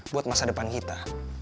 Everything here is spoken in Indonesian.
buat masa depan kita